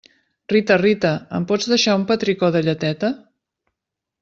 Rita, Rita, em pots deixar un petricó de lleteta?